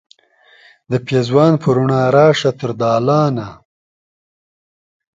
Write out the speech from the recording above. د پیزوان په روڼا راشه تر دالانه